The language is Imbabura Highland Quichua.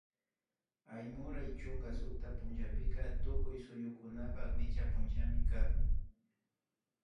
Aymuray chunka sukta punllapika tukuy suyukunapak micha punllami kan